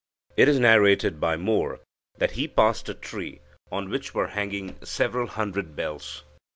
It is narrated by Moor that he "passed a tree, on which were hanging several hundred bells.